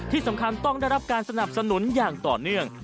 ที่สำคัญต้องได้รับการสนับสนุนอย่างต่อเนื่อง